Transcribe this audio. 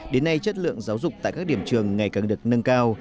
đến nay chất lượng giáo dục tại các điểm trường ngày càng được nâng cao